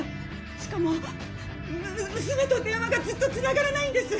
しかも娘と電話がずっとつながらないんです！